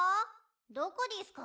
どこでぃすか？